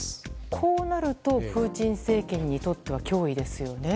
こうなるとプーチン政権にとっては脅威ですよね。